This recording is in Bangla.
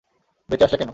বেঁচে আসলে কেন?